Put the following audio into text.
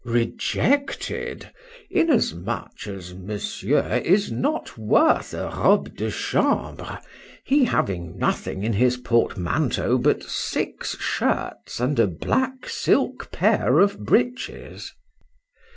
Rejected: inasmuch as Monsieur is not worth a robe de chambre; he having nothing in his portmanteau but six shirts and a black silk pair of breeches.